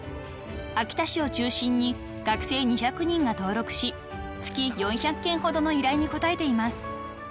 ［秋田市を中心に学生２００人が登録し月４００件ほどの依頼に応えています］